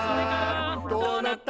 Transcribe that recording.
「どうなった？」